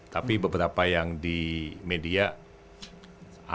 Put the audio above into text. tapi beberapa yang di media ada yang benar